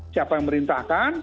siapa yang merintahkan